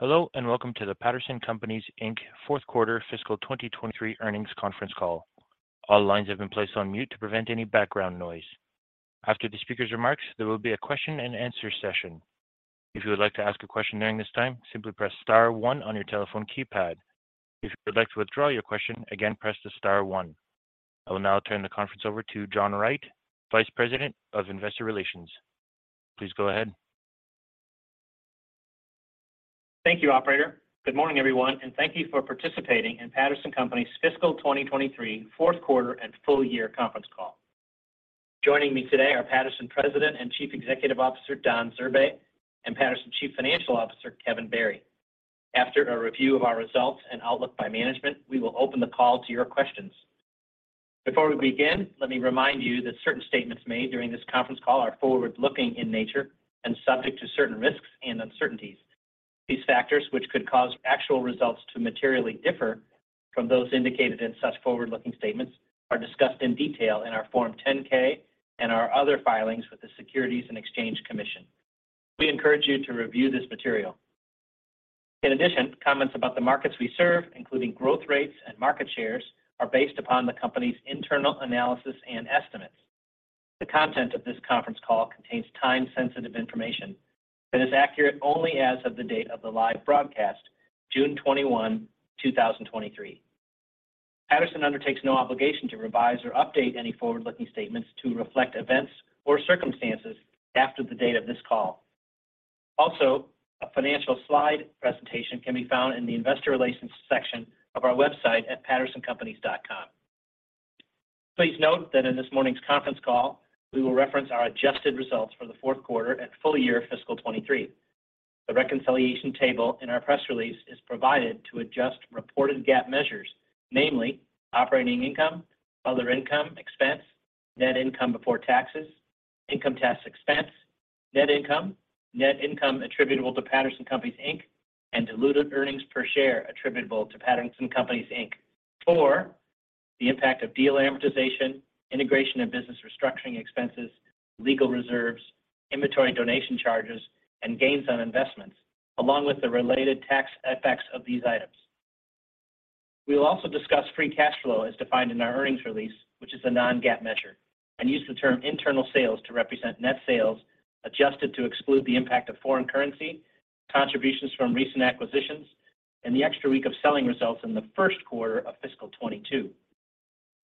Hello, welcome to the Patterson Companies, Inc. fourth quarter fiscal 2023 earnings conference call. All lines have been placed on mute to prevent any background noise. After the speaker's remarks, there will be a question-and-answer session. If you would like to ask a question during this time, simply press star one on your telephone keypad. If you would like to withdraw your question, again, press the star one. I will now turn the conference over to John Wright, Vice President of Investor Relations. Please go ahead. Thank you, operator. Good morning, everyone, and thank you for participating in Patterson Companies fiscal 2023, fourth quarter, and full year conference call. Joining me today are Patterson President and Chief Executive Officer, Don Zurbay, and Patterson Chief Financial Officer, Kevin Barry. After a review of our results and outlook by management, we will open the call to your questions. Before we begin, let me remind you that certain statements made during this conference call are forward-looking in nature and subject to certain risks and uncertainties. These factors, which could cause actual results to materially differ from those indicated in such forward-looking statements, are discussed in detail in our Form 10-K and our other filings with the Securities and Exchange Commission. We encourage you to review this material. Comments about the markets we serve, including growth rates and market shares, are based upon the company's internal analysis and estimates. The content of this conference call contains time-sensitive information that is accurate only as of the date of the live broadcast, June 21, 2023. Patterson undertakes no obligation to revise or update any forward-looking statements to reflect events or circumstances after the date of this call. A financial slide presentation can be found in the Investor Relations section of our website at pattersoncompanies.com. Please note that in this morning's conference call, we will reference our adjusted results for the fourth quarter and full year fiscal 2023. The reconciliation table in our press release is provided to adjust reported GAAP measures, namely operating income, other income, expense, net income before taxes, income tax expense, net income, net income attributable to Patterson Companies, Inc., and diluted earnings per share attributable to Patterson Companies, Inc. For the impact of deal amortization, integration and business restructuring expenses, legal reserves, inventory donation charges, and gains on investments, along with the related tax effects of these items. We will also discuss free cash flow as defined in our earnings release, which is a non-GAAP measure, and use the term internal sales to represent net sales adjusted to exclude the impact of foreign currency, contributions from recent acquisitions, and the extra week of selling results in the first quarter of fiscal 2022.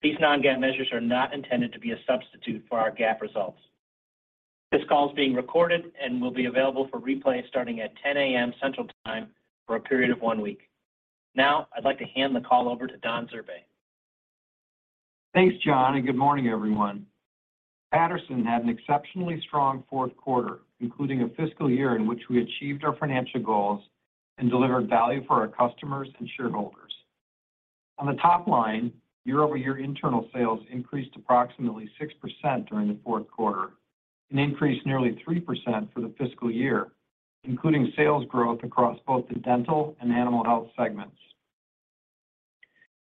These non-GAAP measures are not intended to be a substitute for our GAAP results. This call is being recorded and will be available for replay starting at 10:00 A.M. Central Time for a period of 1 week. Now, I'd like to hand the call over to Don Zurbay. Thanks, John. Good morning, everyone. Patterson had an exceptionally strong fourth quarter, including a fiscal year in which we achieved our financial goals and delivered value for our customers and shareholders. On the top line, year-over-year internal sales increased approximately 6% during the fourth quarter and increased nearly 3% for the fiscal year, including sales growth across both the dental and animal health segments.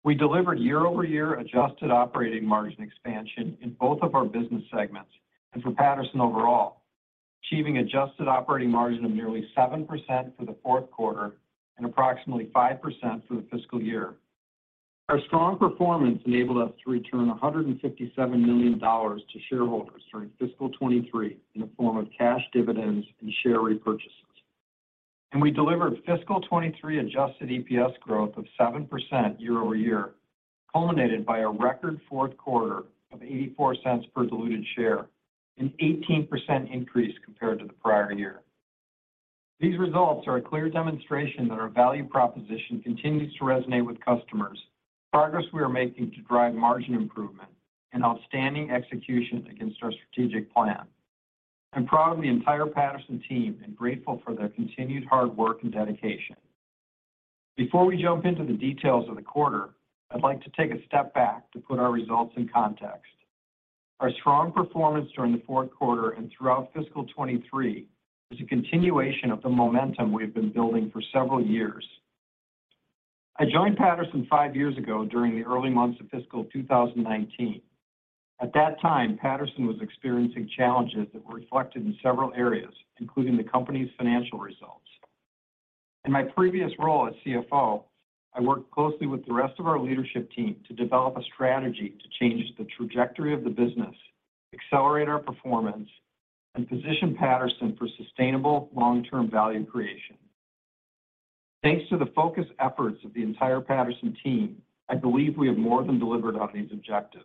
We delivered year-over-year adjusted operating margin expansion in both of our business segments and for Patterson overall, achieving adjusted operating margin of nearly 7% for the fourth quarter and approximately 5% for the fiscal year. Our strong performance enabled us to return $157 million to shareholders during fiscal 2023 in the form of cash dividends and share repurchases. We delivered fiscal 2023 adjusted EPS growth of 7% year-over-year, culminated by a record fourth quarter of $0.84 per diluted share, an 18% increase compared to the prior year. These results are a clear demonstration that our value proposition continues to resonate with customers, progress we are making to drive margin improvement, and outstanding execution against our strategic plan. I'm proud of the entire Patterson team and grateful for their continued hard work and dedication. Before we jump into the details of the quarter, I'd like to take a step back to put our results in context. Our strong performance during the fourth quarter and throughout fiscal 2023 is a continuation of the momentum we've been building for several years. I joined Patterson five years ago during the early months of fiscal 2019. At that time, Patterson was experiencing challenges that were reflected in several areas, including the company's financial results. In my previous role as CFO, I worked closely with the rest of our leadership team to develop a strategy to change the trajectory of the business, accelerate our performance, and position Patterson for sustainable long-term value creation. Thanks to the focused efforts of the entire Patterson team, I believe we have more than delivered on these objectives.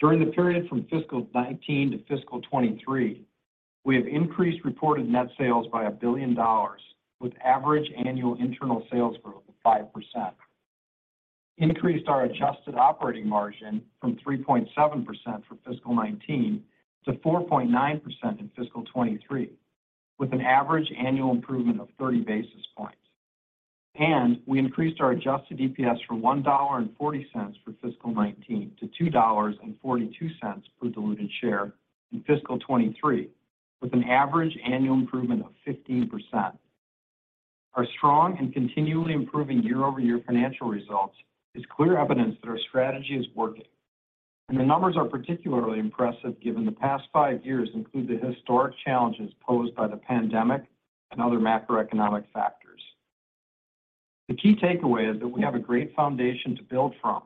During the period from fiscal 2019 to fiscal 2023, we have increased reported net sales by $1 billion, with average annual internal sales growth of 5%, increased our adjusted operating margin from 3.7% for fiscal 2019 to 4.9% in fiscal 2023, with an average annual improvement of 30 basis points. We increased our adjusted EPS from $1.40 for fiscal 2019 to $2.42 per diluted share in fiscal 2023, with an average annual improvement of 15%. Our strong and continually improving year-over-year financial results is clear evidence that our strategy is working. The numbers are particularly impressive, given the past five years include the historic challenges posed by the pandemic and other macroeconomic factors. The key takeaway is that we have a great foundation to build from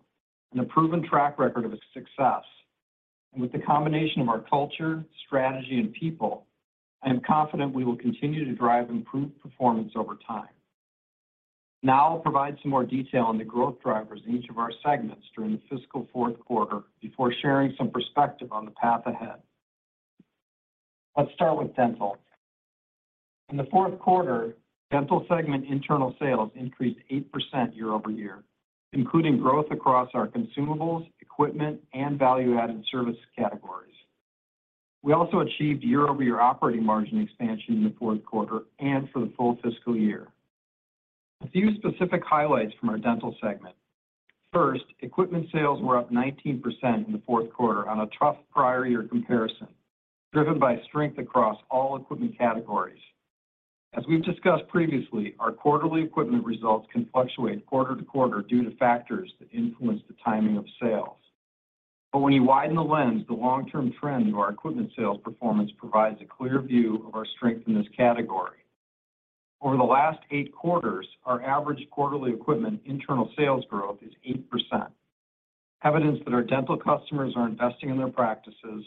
and a proven track record of success. With the combination of our culture, strategy, and people, I am confident we will continue to drive improved performance over time. I'll provide some more detail on the growth drivers in each of our segments during the fiscal fourth quarter, before sharing some perspective on the path ahead. Let's start with Dental. In the fourth quarter, Dental segment internal sales increased 8% year-over-year, including growth across our consumables, equipment, and value-added service categories. We also achieved year-over-year operating margin expansion in the fourth quarter and for the full fiscal year. A few specific highlights from our Dental segment. First, equipment sales were up 19% in the fourth quarter on a tough prior year comparison, driven by strength across all equipment categories. As we've discussed previously, our quarterly equipment results can fluctuate quarter to quarter due to factors that influence the timing of sales. When you widen the lens, the long-term trend of our equipment sales performance provides a clear view of our strength in this category. Over the last eight quarters, our average quarterly equipment internal sales growth is 8%. Evidence that our dental customers are investing in their practices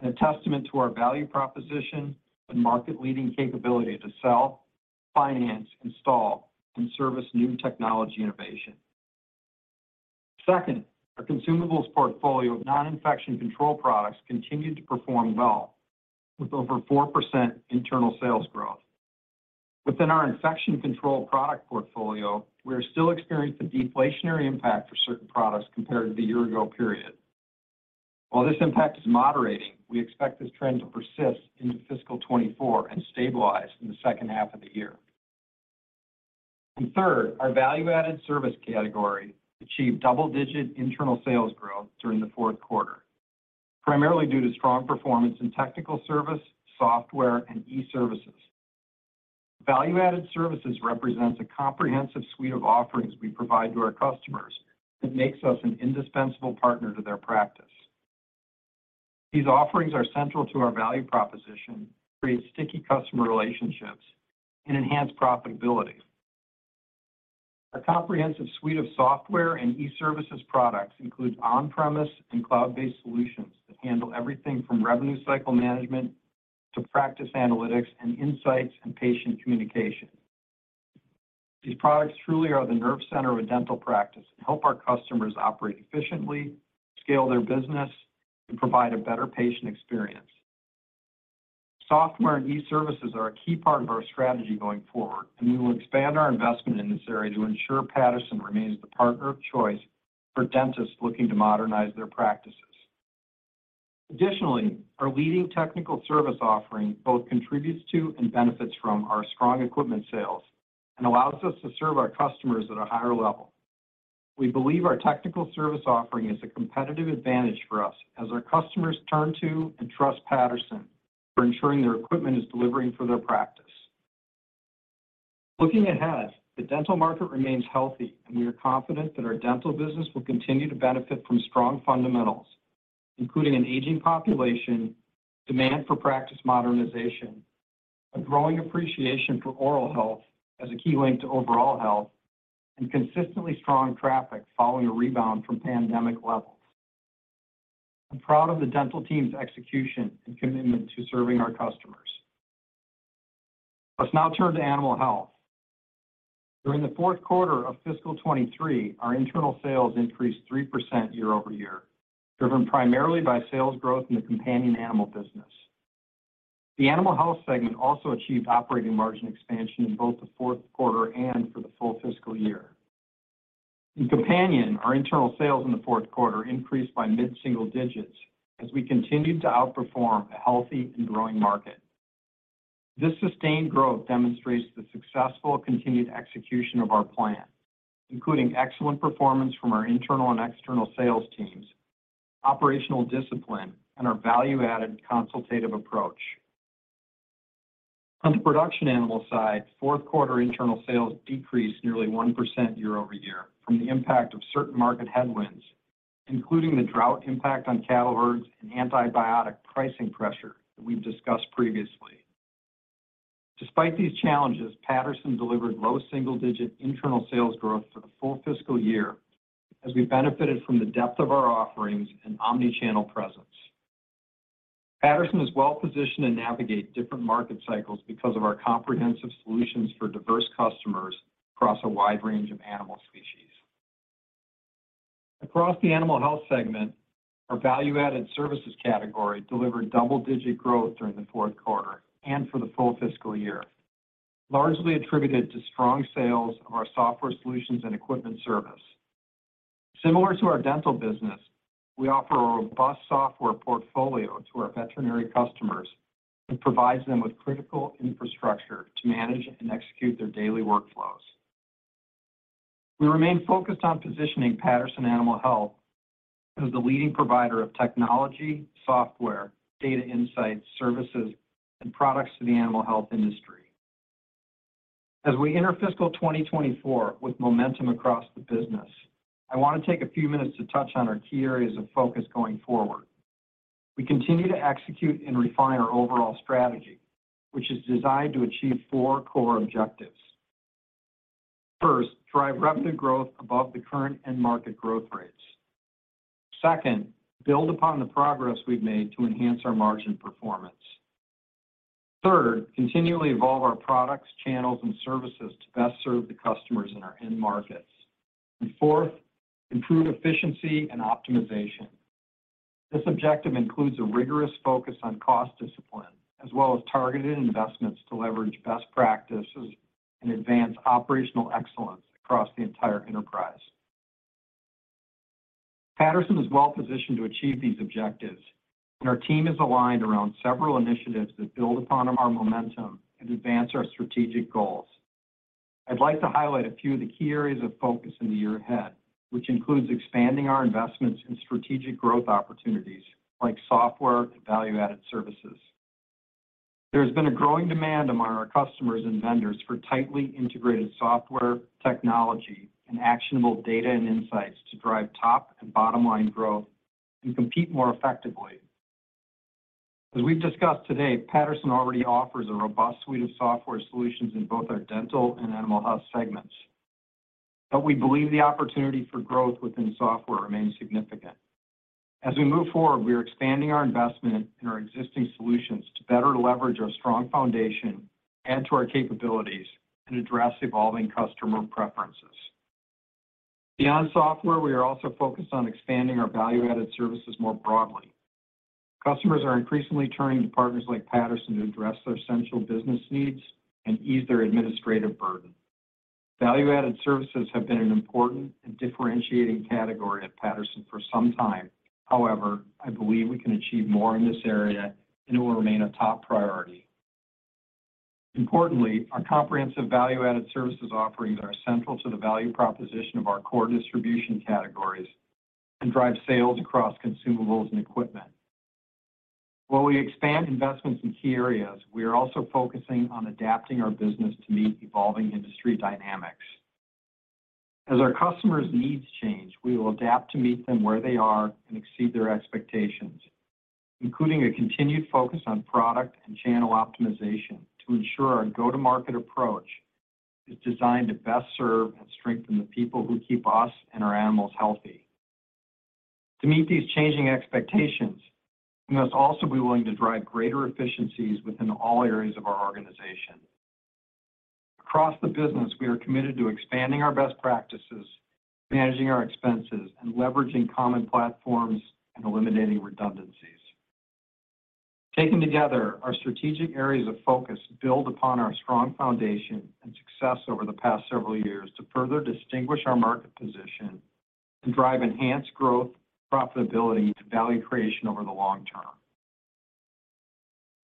and a testament to our value proposition and market-leading capability to sell, finance, install, and service new technology innovation. Second, our consumables portfolio of non-infection control products continued to perform well, with over 4% internal sales growth. Within our infection control product portfolio, we are still experiencing a deflationary impact for certain products compared to the year-ago period. While this impact is moderating, we expect this trend to persist into fiscal 2024 and stabilize in the second half of the year. Third, our value-added service category achieved double-digit internal sales growth during the fourth quarter, primarily due to strong performance in technical service, software, and e-services. Value-added services represents a comprehensive suite of offerings we provide to our customers that makes us an indispensable partner to their practice. These offerings are central to our value proposition, create sticky customer relationships, and enhance profitability. Our comprehensive suite of software and e-services products includes on-premise and cloud-based solutions that handle everything from revenue cycle management to practice analytics, and insights, and patient communication. These products truly are the nerve center of a dental practice and help our customers operate efficiently, scale their business, and provide a better patient experience. Software and e-services are a key part of our strategy going forward, and we will expand our investment in this area to ensure Patterson remains the partner of choice for dentists looking to modernize their practices. Additionally, our leading technical service offering both contributes to and benefits from our strong equipment sales and allows us to serve our customers at a higher level. We believe our technical service offering is a competitive advantage for us as our customers turn to and trust Patterson for ensuring their equipment is delivering for their practice. Looking ahead, the dental market remains healthy, and we are confident that our dental business will continue to benefit from strong fundamentals, including an aging population, demand for practice modernization, a growing appreciation for oral health as a key link to overall health, and consistently strong traffic following a rebound from pandemic levels. I'm proud of the dental team's execution and commitment to serving our customers. Let's now turn to animal health. During the fourth quarter of fiscal 23, our internal sales increased 3% year-over-year, driven primarily by sales growth in the companion animal business. The animal health segment also achieved operating margin expansion in both the fourth quarter and for the full fiscal year. In Companion, our internal sales in the fourth quarter increased by mid-single digits as we continued to outperform a healthy and growing market. This sustained growth demonstrates the successful continued execution of our plan, including excellent performance from our internal and external sales teams, operational discipline, and our value-added consultative approach. On the production animal side, fourth quarter internal sales decreased nearly 1% year-over-year from the impact of certain market headwinds, including the drought impact on cattle herds and antibiotic pricing pressure that we've discussed previously. Despite these challenges, Patterson delivered low double-digit internal sales growth for the full fiscal year as we benefited from the depth of our offerings and omnichannel presence. Patterson is well positioned to navigate different market cycles because of our comprehensive solutions for diverse customers across a wide range of animal species. Across the animal health segment, our value-added services category delivered double-digit growth during the fourth quarter and for the full fiscal year, largely attributed to strong sales of our software solutions and equipment service. Similar to our dental business, we offer a robust software portfolio to our veterinary customers that provides them with critical infrastructure to manage and execute their daily workflows. We remain focused on positioning Patterson animal health as the leading provider of technology, software, data insights, services, and products to the animal health industry. As we enter fiscal 2024 with momentum across the business, I want to take a few minutes to touch on our key areas of focus going forward. We continue to execute and refine our overall strategy, which is designed to achieve four core objectives. First, drive revenue growth above the current end market growth rates. Second, build upon the progress we've made to enhance our margin performance. Third, continually evolve our products, channels, and services to best serve the customers in our end markets. Fourth, improve efficiency and optimization. This objective includes a rigorous focus on cost discipline, as well as targeted investments to leverage best practices and advance operational excellence across the entire enterprise. Patterson is well-positioned to achieve these objectives. Our team is aligned around several initiatives that build upon our momentum and advance our strategic goals. I'd like to highlight a few of the key areas of focus in the year ahead, which includes expanding our investments in strategic growth opportunities like software and value-added services. There's been a growing demand among our customers and vendors for tightly integrated software, technology, and actionable data and insights to drive top and bottom line growth and compete more effectively. As we've discussed today, Patterson already offers a robust suite of software solutions in both our dental and animal health segments. We believe the opportunity for growth within software remains significant. As we move forward, we are expanding our investment in our existing solutions to better leverage our strong foundation, add to our capabilities, and address evolving customer preferences. Beyond software, we are also focused on expanding our value-added services more broadly. Customers are increasingly turning to partners like Patterson to address their essential business needs and ease their administrative burden. Value-added services have been an important and differentiating category at Patterson for some time. However, I believe we can achieve more in this area, and it will remain a top priority. Importantly, our comprehensive value-added services offerings are central to the value proposition of our core distribution categories and drive sales across consumables and equipment. While we expand investments in key areas, we are also focusing on adapting our business to meet evolving industry dynamics. As our customers' needs change, we will adapt to meet them where they are and exceed their expectations, including a continued focus on product and channel optimization to ensure our go-to-market approach is designed to best serve and strengthen the people who keep us and our animals healthy. To meet these changing expectations, we must also be willing to drive greater efficiencies within all areas of our organization. Across the business, we are committed to expanding our best practices, managing our expenses, and leveraging common platforms, and eliminating redundancies. Taken together, our strategic areas of focus build upon our strong foundation and success over the past several years to further distinguish our market position and drive enhanced growth, profitability, and value creation over the long term.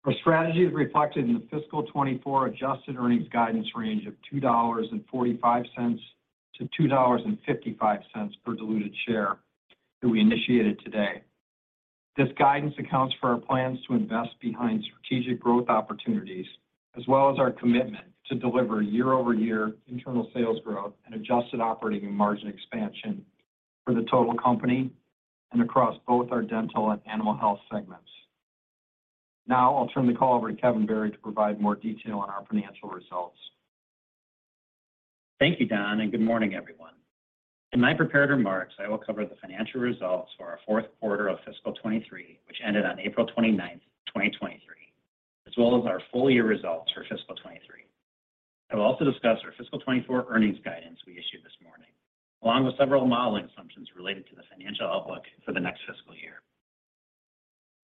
Our strategy is reflected in the fiscal 2024 adjusted earnings guidance range of $2.45-$2.55 per diluted share that we initiated today. This guidance accounts for our plans to invest behind strategic growth opportunities, as well as our commitment to deliver year-over-year internal sales growth and adjusted operating and margin expansion for the total company and across both our dental and animal health segments. I'll turn the call over to Kevin Barry to provide more detail on our financial results. Thank you, Don. Good morning, everyone. In my prepared remarks, I will cover the financial results for our fourth quarter of fiscal 2023, which ended on April 29, 2023, as well as our full-year results for fiscal 2023. I will also discuss our fiscal 2024 earnings guidance we issued this morning, along with several modeling assumptions related to the financial outlook for the next fiscal year.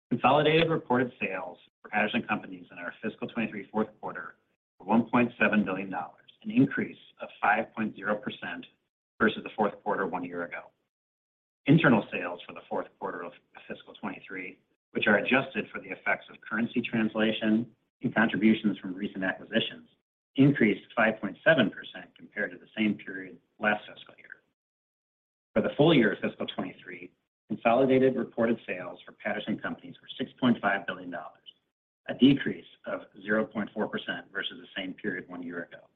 Consolidated reported sales for Patterson Companies in our fiscal 2023 fourth quarter were $1.7 billion, an increase of 5.0% versus the fourth quarter one year ago. Internal sales for the fourth quarter of fiscal 2023, which are adjusted for the effects of currency translation and contributions from recent acquisitions, increased 5.7% compared to the same period last fiscal year. For the full year of fiscal 2023, consolidated reported sales for Patterson Companies were $6.5 billion, a decrease of 0.4% versus the same period one year ago.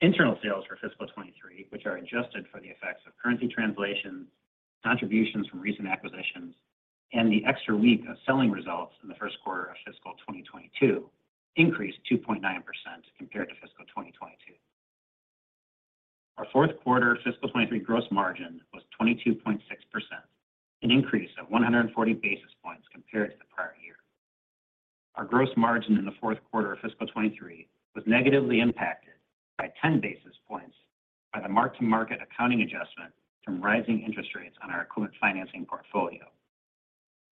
Internal sales for fiscal 2023, which are adjusted for the effects of currency translations, contributions from recent acquisitions, and the extra week of selling results in the first quarter of fiscal 2022, increased 2.9% compared to fiscal 2022. Our fourth quarter fiscal 2023 gross margin was 22.6%, an increase of 140 basis points compared to the prior year. Our gross margin in the fourth quarter of fiscal 2023 was negatively impacted by 10 basis points by the mark-to-market accounting adjustment from rising interest rates on our equipment financing portfolio.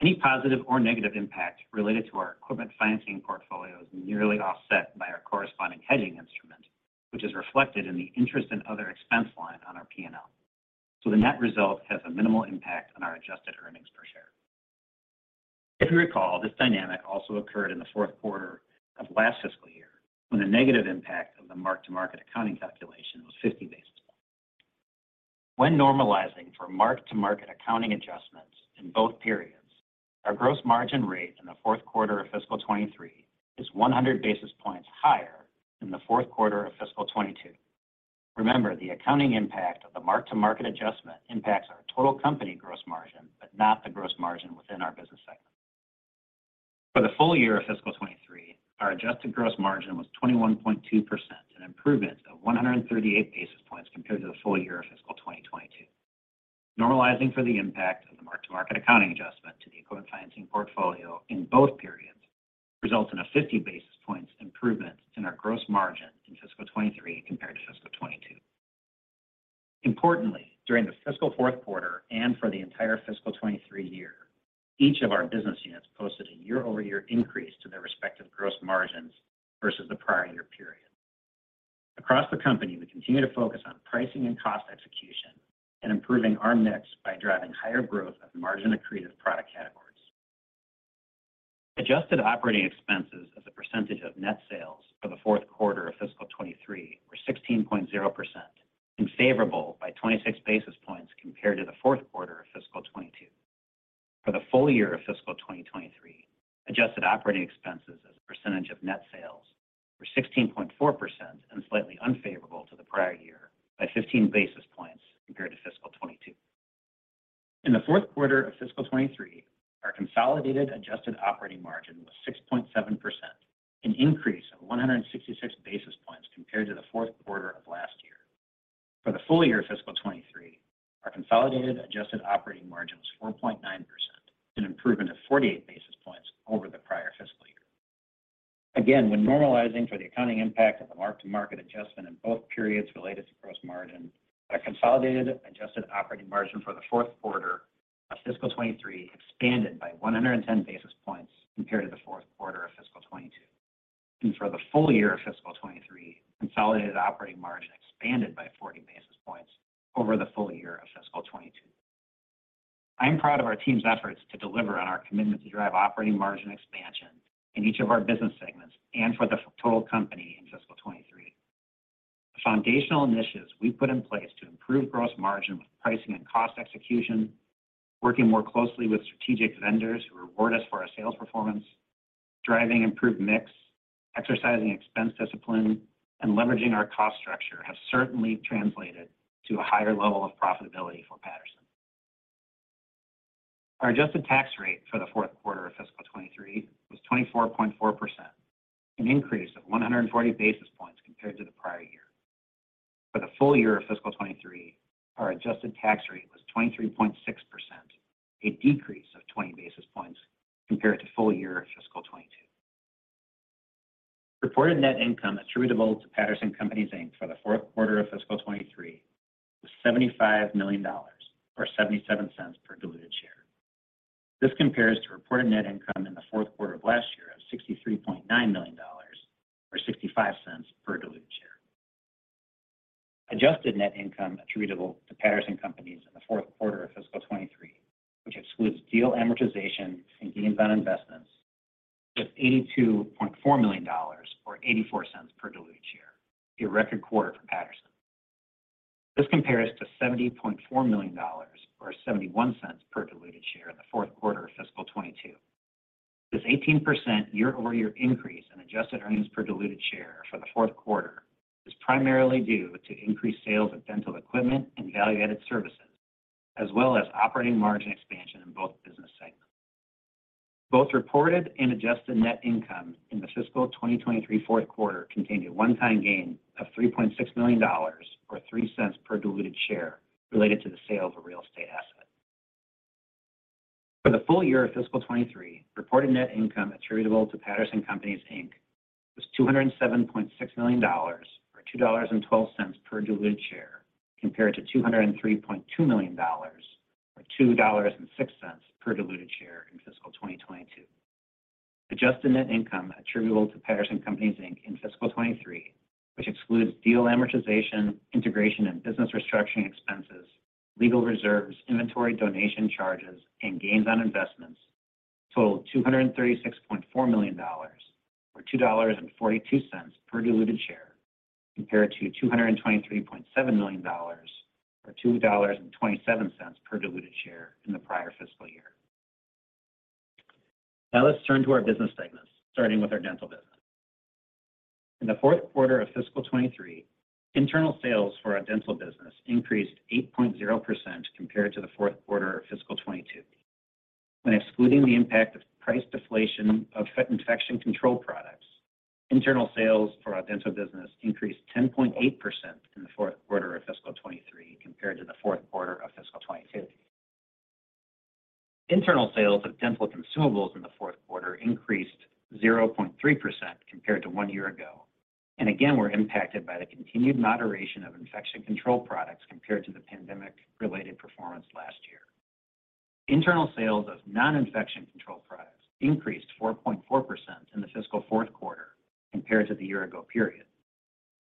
Any positive or negative impact related to our equipment financing portfolio is nearly offset by our corresponding hedging instrument, which is reflected in the interest and other expense line on our P&L. The net result has a minimal impact on our adjusted earnings per share. If you recall, this dynamic also occurred in the fourth quarter of last fiscal year, when the negative impact of the mark-to-market accounting calculation was 50 basis points. When normalizing for mark-to-market accounting adjustments in both periods, our gross margin rate in the fourth quarter of fiscal 2023 is 100 basis points higher than the fourth quarter of fiscal 2022. Remember, the accounting impact of the mark-to-market adjustment impacts our total company gross margin, but not the gross margin within our business segment. For the full year of fiscal 2023, our adjusted gross margin was 21.2%, an improvement of 138 basis points compared to the full year of fiscal 2022. Normalizing for the impact of the mark-to-market accounting adjustment to the equipment financing portfolio in both periods, results in a 50 basis points improvement in our gross margin in fiscal 2023 compared to fiscal 2022. Importantly, during the fiscal fourth quarter and for the entire fiscal 2023 year, each of our business units posted a year-over-year increase to their respective gross margins versus the prior year period. Across the company, we continue to focus on pricing and cost execution and improving our mix by driving higher growth of margin-accretive product categories. Adjusted operating expenses as a percentage of net sales for the fourth quarter of fiscal 2023 were 16.0%, unfavorable by 26 basis points compared to the fourth quarter of fiscal 2022. For the full year of fiscal 2023, adjusted operating expenses as a percentage of net sales were 16.4% and slightly unfavorable to the prior year by 15 basis points compared to fiscal 2022. In the fourth quarter of fiscal 2023, our consolidated adjusted operating margin was 6.7%, an increase of 166 basis points compared to the fourth quarter of last year. For the full year of fiscal 2023, our consolidated adjusted operating margin was 4.9%, an improvement of 48 basis points over the prior fiscal year. When normalizing for the accounting impact of the mark-to-market adjustment in both periods related to gross margin, our consolidated adjusted operating margin for the fourth quarter of fiscal 23 expanded by 110 basis points compared to the fourth quarter of fiscal 22. For the full year of fiscal 23, consolidated operating margin expanded by 40 basis points over the full year of fiscal 22. I'm proud of our team's efforts to deliver on our commitment to drive operating margin expansion in each of our business segments and for the total company in fiscal 23. The foundational initiatives we put in place to improve gross margin with pricing and cost execution, working more closely with strategic vendors who reward us for our sales performance, driving improved mix, exercising expense discipline, and leveraging our cost structure, have certainly translated to a higher level of profitability for Patterson. Our adjusted tax rate for the fourth quarter of fiscal 2023 was 24.4%, an increase of 140 basis points compared to the prior year. For the full year of fiscal 2023, our adjusted tax rate was 23.6%, a decrease of 20 basis points compared to full year of fiscal 2022. Reported net income attributable to Patterson Companies, Inc. for the fourth quarter of fiscal 2023 was $75 million, or $0.77 per diluted share. This compares to reported net income in the fourth quarter of last year of $63.9 million or $0.65 per diluted share. Adjusted net income attributable to Patterson Companies in the fourth quarter of fiscal 23, which excludes deal amortization and gains on investments, was $82.4 million or $0.84 per diluted share, a record quarter for Patterson. This compares to $70.4 million, or $0.71 per diluted share in the fourth quarter of fiscal 22. This 18% year-over-year increase in adjusted earnings per diluted share for the fourth quarter is primarily due to increased sales of dental equipment and value-added services, as well as operating margin expansion in both business segments. Both reported and adjusted net income in the fiscal 2023 fourth quarter contained a one-time gain of $3.6 million, or $0.03 per diluted share, related to the sale of a real estate asset. For the full year of fiscal 2023, reported net income attributable to Patterson Companies, Inc., was $207.6 million, or $2.12 per diluted share, compared to $203.2 million, or $2.06 per diluted share in fiscal 2022. Adjusted net income attributable to Patterson Companies, Inc. In fiscal 2023, which excludes deal amortization, integration and business restructuring expenses, legal reserves, inventory, donation charges, and gains on investments, totaled $236.4 million, or $2.42 per diluted share, compared to $223.7 million, or $2.27 per diluted share in the prior fiscal year. Let's turn to our business segments, starting with our dental business. In the fourth quarter of fiscal 2023, internal sales for our dental business increased 8.0% compared to the fourth quarter of fiscal 2022. When excluding the impact of price deflation of infection control products, internal sales for our dental business increased 10.8% in the fourth quarter of fiscal 2023 compared to the fourth quarter of fiscal 2022. Internal sales of dental consumables in the fourth quarter increased 0.3% compared to one year ago, and again, were impacted by the continued moderation of infection control products compared to the pandemic-related performance last year. Internal sales of non-infection control products increased 4.4% in the fiscal fourth quarter compared to the year-ago period.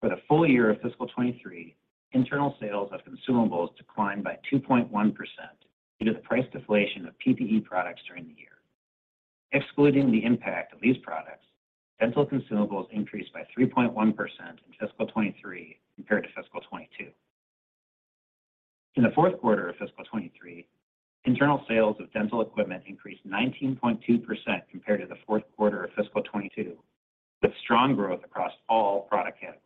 For the full year of fiscal 2023, internal sales of consumables declined by 2.1% due to the price deflation of PPE products during the year. Excluding the impact of these products, dental consumables increased by 3.1% in fiscal 2023 compared to fiscal 2022. In the fourth quarter of fiscal 2023, internal sales of dental equipment increased 19.2% compared to the fourth quarter of fiscal 2022, with strong growth across all product categories.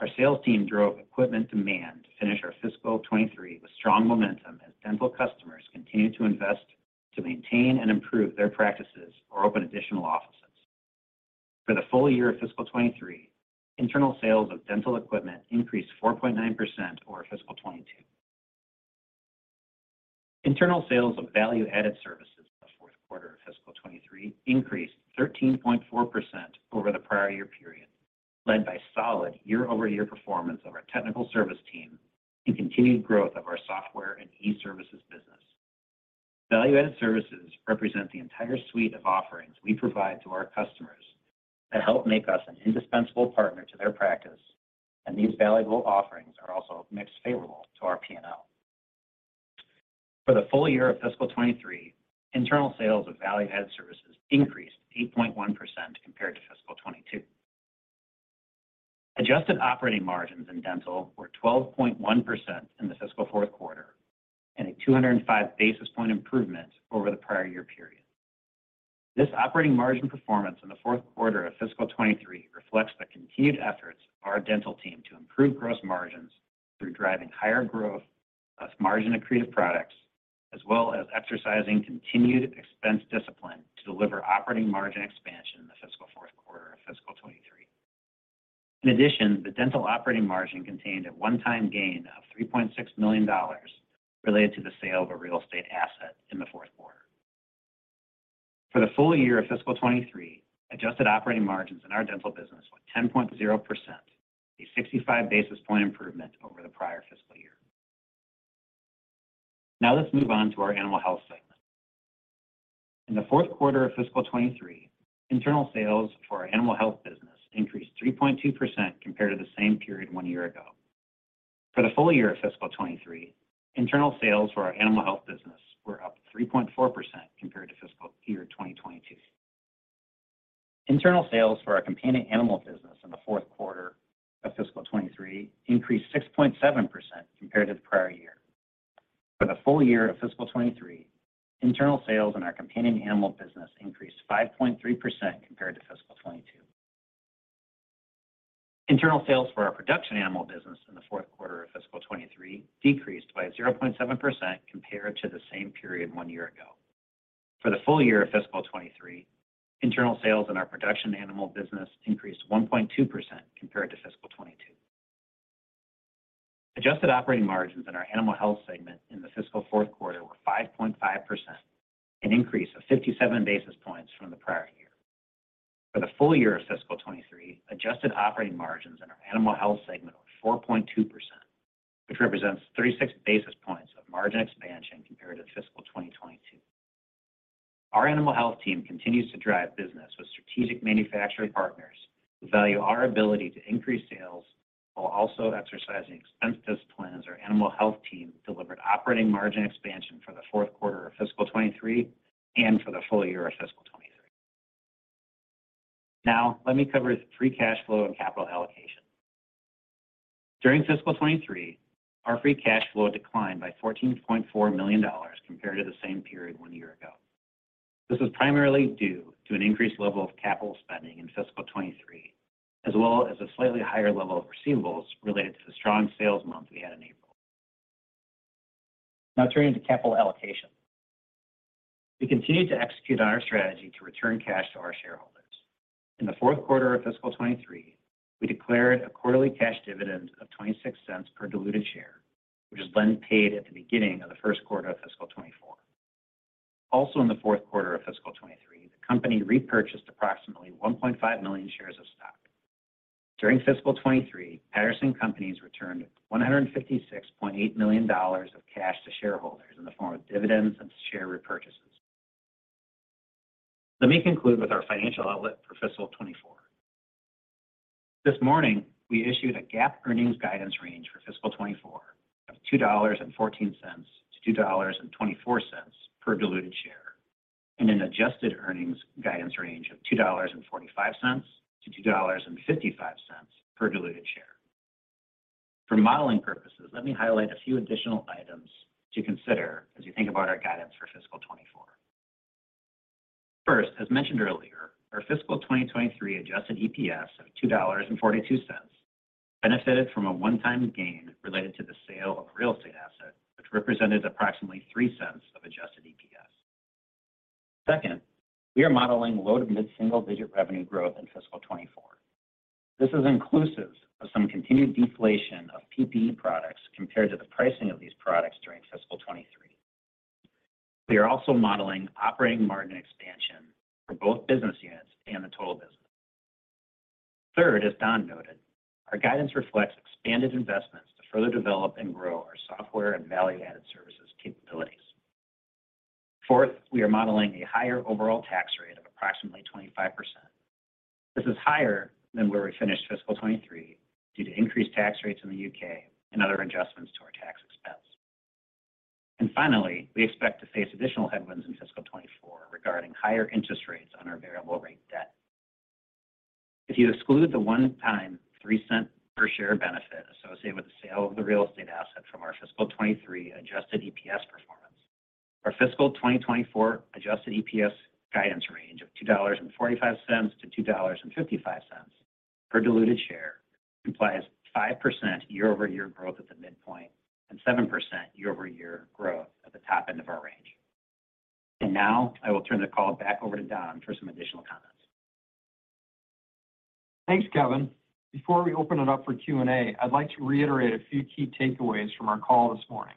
Our sales team drove equipment demand to finish our fiscal 2023 with strong momentum, as dental customers continued to invest to maintain and improve their practices or open additional offices. For the full year of fiscal 2023, internal sales of dental equipment increased 4.9% over fiscal 2022. Internal sales of value-added services in the fourth quarter of fiscal 2023 increased 13.4% over the prior year period, led by solid year-over-year performance of our technical service team and continued growth of our software and e-services business. Value-added services represent the entire suite of offerings we provide to our customers that help make us an indispensable partner to their practice. These valuable offerings are also mixed favorable to our P&L. For the full year of fiscal 2023, internal sales of value-added services increased 8.1% compared to fiscal 2022. Adjusted operating margins in dental were 12.1% in the fiscal fourth quarter, a 205 basis point improvement over the prior year period. This operating margin performance in the fourth quarter of fiscal 2023 reflects the continued efforts of our dental team to improve gross margins through driving higher growth of margin accretive products, as well as exercising continued expense discipline to deliver operating margin expansion in the fiscal fourth quarter of fiscal 2023. In addition, the dental operating margin contained a one-time gain of $3.6 million related to the sale of a real estate asset in the fourth quarter. For the full year of fiscal 2023, adjusted operating margins in our dental business were 10.0%, a 65 basis point improvement over the prior fiscal year. Now let's move on to our animal health segment. In the fourth quarter of fiscal 2023, internal sales for our animal health business increased 3.2% compared to the same period one year ago. For the full year of fiscal 2023, internal sales for our animal health business were up 3.4% compared to fiscal year 2022. Internal sales for our companion animal business in the fourth quarter of fiscal 2023 increased 6.7% compared to the prior year. For the full year of fiscal 2023, internal sales in our companion animal business increased 5.3% compared to fiscal 2022. Internal sales for our production animal business in the fourth quarter of fiscal 2023 decreased by 0.7% compared to the same period one year ago. For the full year of fiscal 23, internal sales in our production animal business increased 1.2% compared to fiscal 22. Adjusted operating margins in our animal health segment in the fiscal fourth quarter were 5.5%, an increase of 57 basis points from the prior year. For the full year of fiscal 23, adjusted operating margins in our animal health segment were 4.2%, which represents 36 basis points of margin expansion compared to fiscal 2022. Our animal health team continues to drive business with strategic manufacturing partners who value our ability to increase sales while also exercising expense discipline as our animal health team delivered operating margin expansion for the fourth quarter of fiscal 23 and for the full year of fiscal 23. Let me cover free cash flow and capital allocation. During fiscal 2023, our free cash flow declined by $14.4 million compared to the same period one year ago. This is primarily due to an increased level of capital spending in fiscal 2023, as well as a slightly higher level of receivables related to the strong sales month we had in April. Turning to capital allocation. We continued to execute on our strategy to return cash to our shareholders. In the fourth quarter of fiscal 2023, we declared a quarterly cash dividend of $0.26 per diluted share, which was then paid at the beginning of the first quarter of fiscal 2024. Also in the fourth quarter of fiscal 2023, the company repurchased approximately 1.5 million shares of stock. During fiscal 2023, Patterson Companies returned $156.8 million of cash to shareholders in the form of dividends and share repurchases. Let me conclude with our financial outlook for fiscal 2024. This morning, we issued a GAAP earnings guidance range for fiscal 2024 of $2.14-$2.24 per diluted share, and an adjusted earnings guidance range of $2.45-$2.55 per diluted share. For modeling purposes, let me highlight a few additional items to consider as you think about our guidance for fiscal 2024. First, as mentioned earlier, our fiscal 2023 adjusted EPS of $2.42 benefited from a one-time gain related to the sale of a real estate asset, which represented approximately $0.03 of adjusted EPS. Second, we are modeling low to mid-single-digit revenue growth in fiscal 2024. This is inclusive of some continued deflation of PPE products compared to the pricing of these products during fiscal 2023. We are also modeling operating margin expansion for both business units and the total business. Third, as Don noted, our guidance reflects expanded investments to further develop and grow our software and value-added services capabilities. Fourth, we are modeling a higher overall tax rate of approximately 25%. This is higher than where we finished fiscal 2023 due to increased tax rates in the U.K. and other adjustments to our tax. Finally, we expect to face additional headwinds in fiscal 2024 regarding higher interest rates on our variable rate debt. If you exclude the one-time $0.03 per share benefit associated with the sale of the real estate asset from our fiscal 2023 adjusted EPS performance, our fiscal 2024 adjusted EPS guidance range of $2.45-$2.55 per diluted share, implies 5% year-over-year growth at the midpoint and 7% year-over-year growth at the top end of our range. Now, I will turn the call back over to Don for some additional comments. Thanks, Kevin. Before we open it up for Q&A, I'd like to reiterate a few key takeaways from our call this morning.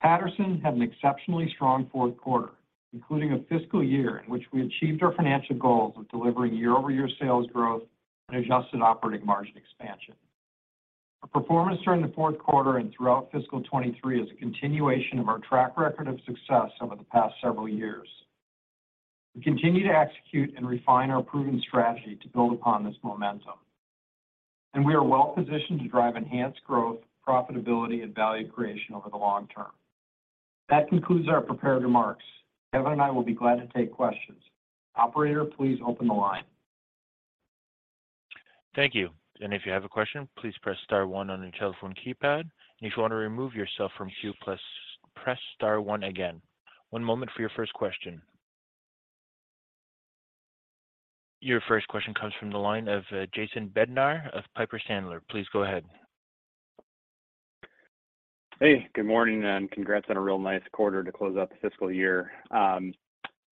Patterson had an exceptionally strong fourth quarter, including a fiscal year in which we achieved our financial goals of delivering year-over-year sales growth and adjusted operating margin expansion. Our performance during the fourth quarter and throughout fiscal 23 is a continuation of our track record of success over the past several years. We continue to execute and refine our proven strategy to build upon this momentum, and we are well positioned to drive enhanced growth, profitability, and value creation over the long term. That concludes our prepared remarks. Kevin and I will be glad to take questions. Operator, please open the line. Thank you. If you have a question, please press star one on your telephone keypad. If you want to remove yourself from queue, press star one again. One moment for your first question. Your first question comes from the line of Jason Bednar of Piper Sandler. Please go ahead. Hey, good morning, congrats on a real nice quarter to close out the fiscal year.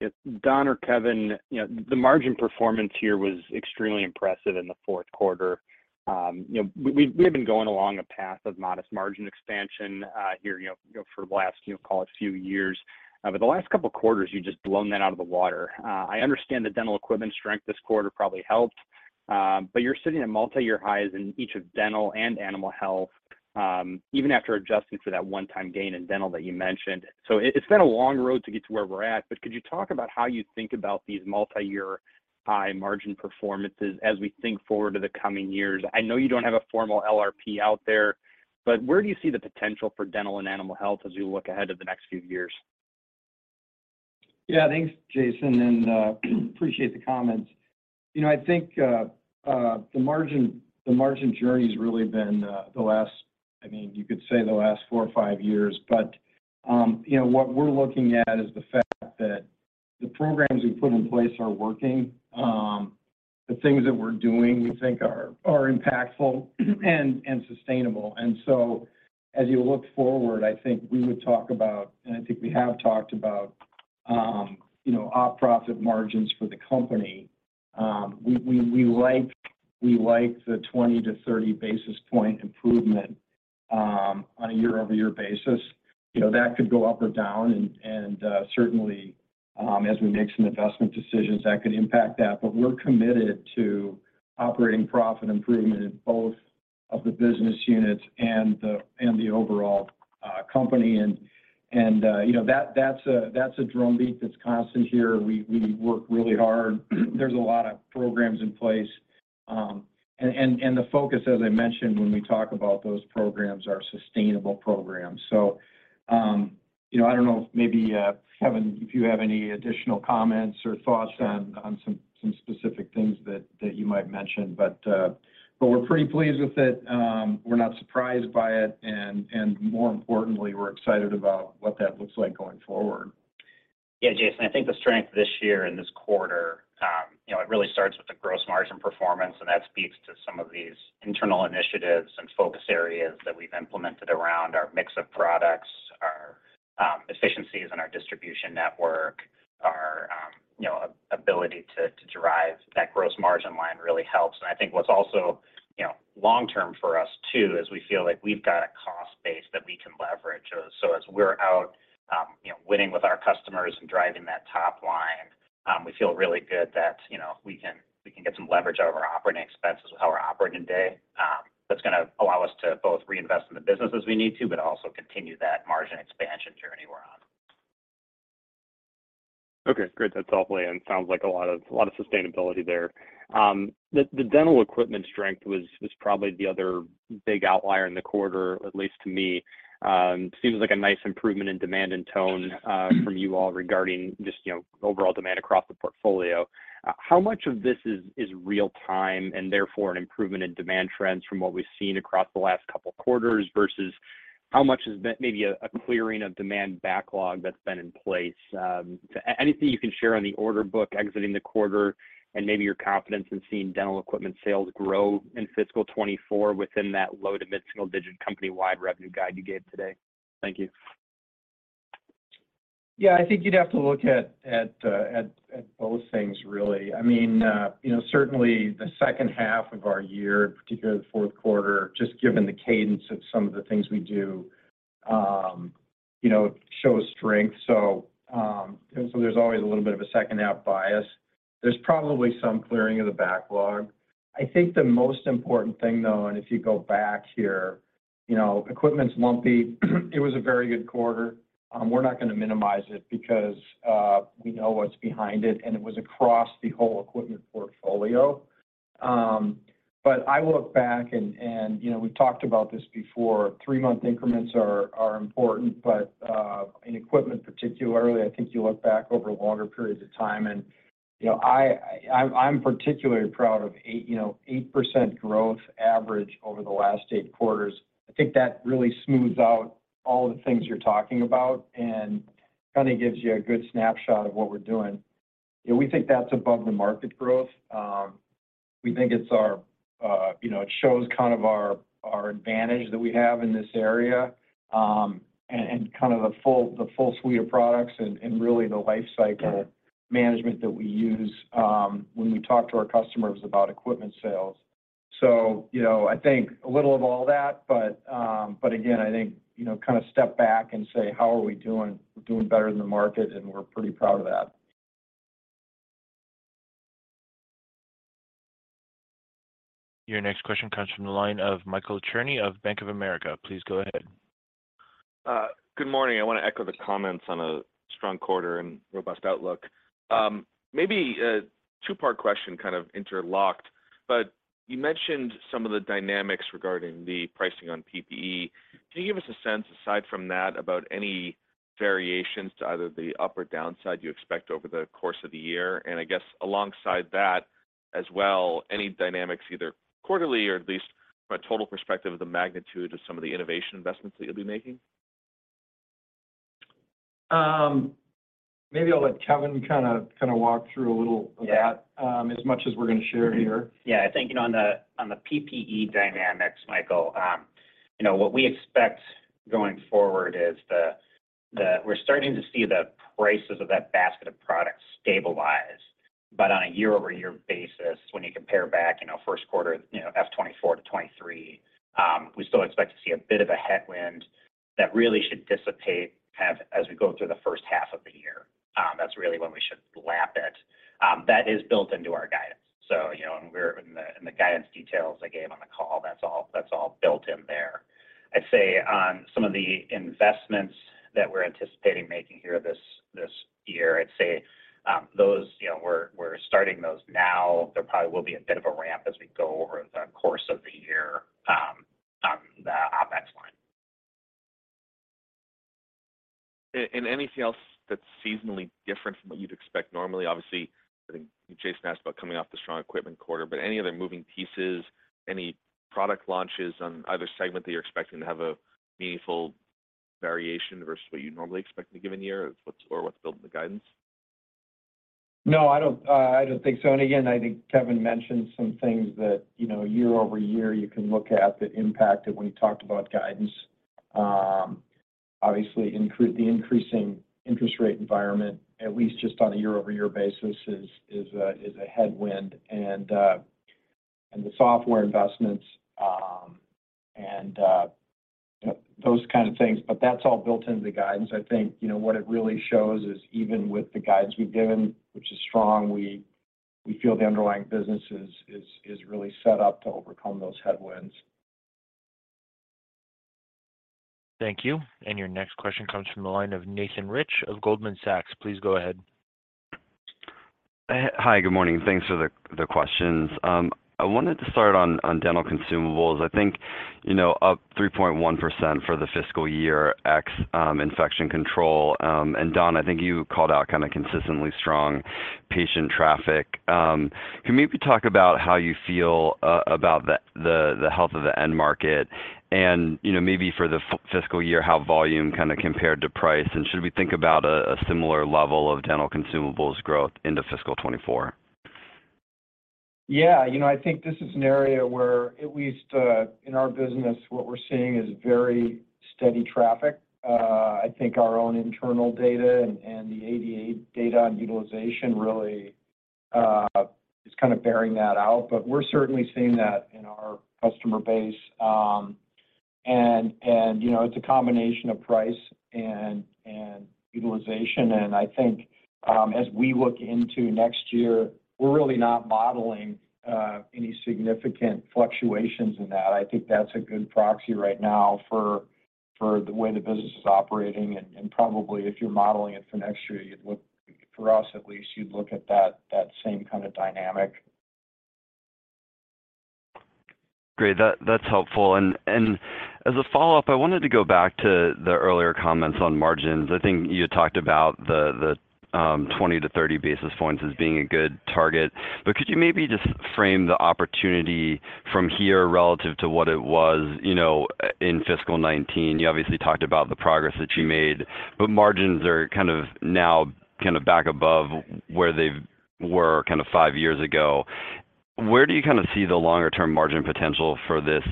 If Don or Kevin, you know, the margin performance here was extremely impressive in the fourth quarter. You know, we have been going along a path of modest margin expansion here for the last, call it a few years. The last couple of quarters, you've just blown that out of the water. I understand the dental equipment strength this quarter probably helped, you're sitting at multi-year highs in each of dental and animal health, even after adjusting for that one-time gain in dental that you mentioned. It's been a long road to get to where we're at, but could you talk about how you think about these multi-year high margin performances as we think forward to the coming years? I know you don't have a formal LRP out there, but where do you see the potential for dental and animal health as we look ahead to the next few years? Yeah, thanks, Jason, and appreciate the comments. You know, I think the margin, the margin journey has really been the last, I mean, you could say the last four or five years. You know, what we're looking at is the fact that the programs we've put in place are working. The things that we're doing, we think are impactful and sustainable. As you look forward, I think we would talk about, and I think we have talked about op profit margins for the company. We like the 20-30 basis point improvement on a year-over-year basis. You know, that could go up or down, and certainly, as we make some investment decisions, that could impact that. We're committed to operating profit improvement in both of the business units and the overall company. You know, that's a drumbeat that's constant here. We work really hard. There's a lot of programs in place. The focus, as I mentioned, when we talk about those programs, are sustainable programs. You know, I don't know, maybe Kevin, if you have any additional comments or thoughts on some specific things that you might mention. We're pretty pleased with it. We're not surprised by it, and more importantly, we're excited about what that looks like going forward. Yeah, Jason, I think the strength this year and this quarter, it really starts with the gross margin performance, and that speaks to some of these internal initiatives and focus areas that we've implemented around our mix of products, our efficiencies and our distribution network, our ability to drive that gross margin line really helps. I think what's also long-term for us, too, is we feel like we've got a cost base that we can leverage. As we're out, winning with our customers and driving that top line, we feel really good that we can get some leverage out of our operating expenses with how we're operating today. That's gonna allow us to both reinvest in the business as we need to, but also continue that margin expansion journey we're on. Okay, great. That's helpful, and sounds like a lot of sustainability there. The dental equipment strength was probably the other big outlier in the quarter, at least to me. Seems like a nice improvement in demand and tone from you all regarding just overall demand across the portfolio. How much of this is real time and therefore an improvement in demand trends from what we've seen across the last couple of quarters, versus how much has been maybe a clearing of demand backlog that's been in place? Anything you can share on the order book exiting the quarter and maybe your confidence in seeing dental equipment sales grow in fiscal 2024 within that low to mid-single-digit company-wide revenue guide you gave today? Thank you. I think you'd have to look at both things, really. I mean, certainly the second half of our year, in particular the fourth quarter, just given the cadence of some of the things we do, you know shows strength. So there's always a little bit of a second-half bias. There's probably some clearing of the backlog. I think the most important thing, though, and if you go back here, you know, equipment's lumpy. It was a very good quarter. We're not going to minimize it because we know what's behind it, and it was across the whole equipment portfolio. I look back, and we've talked about this before, three-month increments are important, but in equipment particularly, I think you look back over longer periods of time. You know, I'm particularly proud of 8% growth average over the last eight quarters. I think that really smooths out all the things you're talking about and kind of gives you a good snapshot of what we're doing. We think that's above the market growth. We think it's our, you know, it shows kind of our advantage that we have in this area, and kind of the full suite of products and really the life cycle management that we use, when we talk to our customers about equipment sales. You know, I think a little of all that, again, I think, you know, kind of step back and say, "How are we doing?" We're doing better than the market. We're pretty proud of that. Your next question comes from the line of Michael Cherny of Bank of America. Please go ahead. Good morning. I want to echo the comments on a strong quarter and robust outlook. Maybe a two-part question, kind of interlocked, but you mentioned some of the dynamics regarding the pricing on PPE. Can you give us a sense, aside from that, about any variations to either the up or down side you expect over the course of the year? I guess alongside that as well, any dynamics, either quarterly or at least from a total perspective, of the magnitude of some of the innovation investments that you'll be making? Maybe I'll let Kevin kind of walk through a little of that. Yeah. as much as we're going to share here. I think, you know, on the PPE dynamics, Michael, you know, what we expect going forward is the prices of that basket of products stabilize. On a year-over-year basis, when you compare back, you know, first quarter, you know, F 2024 to 2023, we still expect to see a bit of a headwind that really should dissipate as we go through the first half of the year. That's really when we should lap it. That is built into our guidance. You know, in the guidance details I gave on the call, that's all built in there. I'd say on some of the investments that we're anticipating making here this year, I'd say, those, you know, we're starting those now. There probably will be a bit of a ramp as we go over the course of the year, on the OpEx line. Anything else that's seasonally different from what you'd expect normally? Obviously, I think Jason asked about coming off the strong equipment quarter, but any other moving pieces, any product launches on either segment that you're expecting to have a meaningful variation versus what you'd normally expect in a given year? What's built in the guidance? No, I don't, I don't think so. Again, I think Kevin mentioned some things that, you know, year-over-year, you can look at the impact of when he talked about guidance. Obviously, the increasing interest rate environment, at least just on a year-over-year basis, is a headwind. The software investments, and those kind of things. That's all built into the guidance. I think, you know, what it really shows is even with the guidance we've given, which is strong, we feel the underlying business is really set up to overcome those headwinds. Thank you. Your next question comes from the line of Nathan Rich of Goldman Sachs. Please go ahead. Hi, good morning. Thanks for the questions. I wanted to start on dental consumables. I think, you know, up 3.1% for the fiscal year, ex infection control. Don, I think you called out kind of consistently strong patient traffic. Can you maybe talk about how you feel about the health of the end market, and, you know, maybe for the fiscal year, how volume kind of compared to price, and should we think about a similar level of dental consumables growth into fiscal 2024? Yeah. You know, I think this is an area where, at least, in our business, what we're seeing is very steady traffic. I think our own internal data and the ADA data on utilization really is kind of bearing that out. We're certainly seeing that in our customer base. And it's a combination of price and utilization. I think, as we look into next year, we're really not modeling any significant fluctuations in that. I think that's a good proxy right now for the way the business is operating, and probably if you're modeling it for next year, for us at least, you'd look at that same kind of dynamic. Great. That's helpful. As a follow-up, I wanted to go back to the earlier comments on margins. I think you talked about the 20 to 30 basis points as being a good target. Could you maybe just frame the opportunity from here relative to what it was in fiscal 19? You obviously talked about the progress that you made, but margins are kind of now back above where they were five years ago. Where do you kind of see the longer-term margin potential for this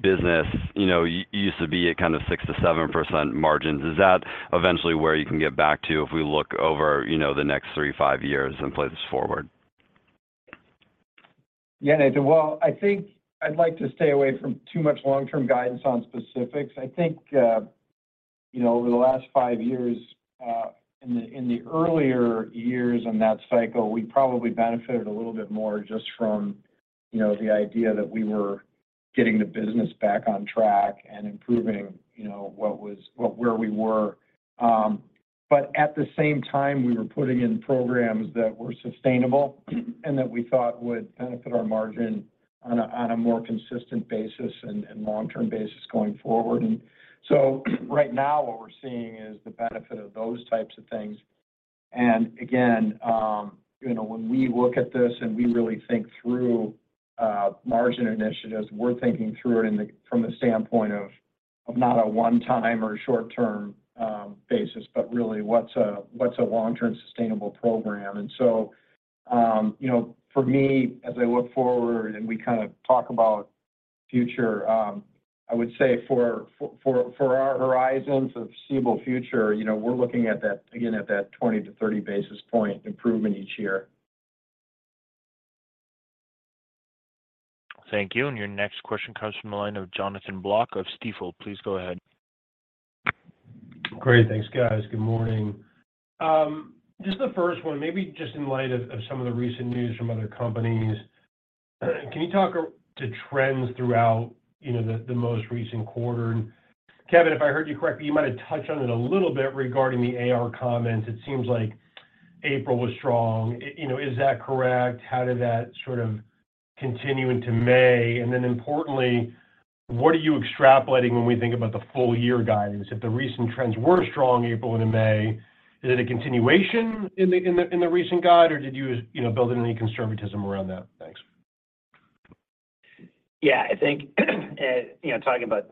business? You used to be at kind of 6%-7% margins. Is that eventually where you can get back to if we look over the next three to five years and play this forward? Yeah, Nathan. Well, I think I'd like to stay away from too much long-term guidance on specifics. I think, you know, over the last five years, in the, in the earlier years in that cycle, we probably benefited a little bit more just from, you know, the idea that we were getting the business back on track and improving, you know, what where we were. At the same time, we were putting in programs that were sustainable and that we thought would benefit our margin on a more consistent basis and long-term basis going forward. Right now, what we're seeing is the benefit of those types of things. Again, you know, when we look at this and we really think through margin initiatives, we're thinking through it in the, from the standpoint of not a one-time or short-term basis, but really what's a long-term sustainable program? So, you know, for me, as I look forward and we kind of talk about future, I would say for our horizons of foreseeable future, you know, we're looking at that again, at that 20 to 30 basis point improvement each year. Thank you. Your next question comes from the line of Jonathan Block of Stifel. Please go ahead. Great. Thanks, guys. Good morning. Just the first one, maybe just in light of some of the recent news from other companies, can you talk to trends throughout, you know, the most recent quarter? Kevin, if I heard you correctly, you might have touched on it a little regarding the AR comments. It seems like April was strong. You know, is that correct? How did that sort of continue into May? Then importantly, what are you extrapolating when we think about the full year guidance? If the recent trends were strong in April and in May, is it a continuation in the recent guide, or did you know, build in any conservatism around that? Thanks. Yeah, I think, you know, talking about